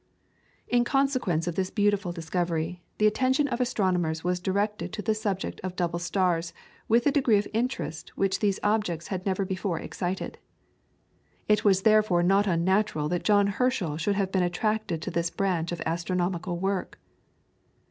In consequence of this beautiful discovery, the attention of astronomers was directed to the subject of double stars with a degree of interest which these objects had never before excited. It was therefore not unnatural that John Herschel should have been attracted to this branch of astronomical work.